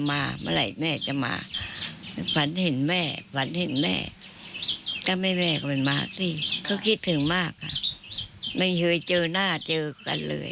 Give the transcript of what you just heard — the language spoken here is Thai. ไม่รู้ว่าอะไรแบบสดได้หมด